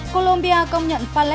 colombia công nhận palermo